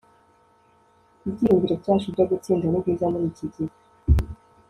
ibyiringiro byacu byo gutsinda ni byiza muri iki gihe